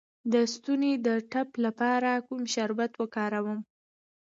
د ستوني د ټپ لپاره کوم شربت وکاروم؟